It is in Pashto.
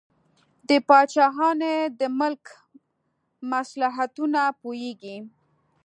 د پاچاهانو د ملک مصلحتونه پوهیږي.